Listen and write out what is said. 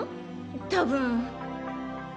多分。